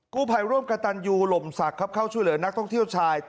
กู้ภัยร่วมกับตันยูหล่มศักดิ์ครับเข้าช่วยเหลือนักท่องเที่ยวชาย